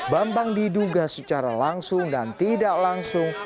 bambang diduga secara langsung dan tidak langsung